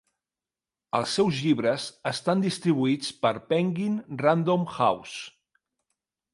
Els seus llibres estan distribuïts per Penguin Random House.